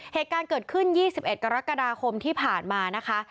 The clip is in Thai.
เหตุการณ์เกิดขึ้น๒๑กรกฎาคมที่ผ่านมานะคะ